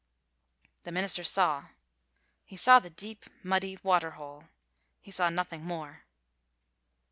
The minister saw. He saw the deep, muddy water hole. He saw nothing more.